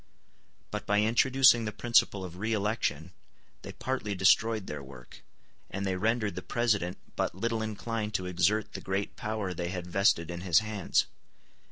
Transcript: But by introducing the principle of re election they partly destroyed their work; and they rendered the President but little inclined to exert the great power they had vested in his hands.